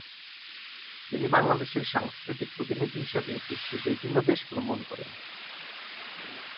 তিনি বাংলাদেশের সাংস্কৃতিক প্রতিনিধি হিসেবে বিশ্বের বিভিন্ন দেশ ভ্রমণ করেন।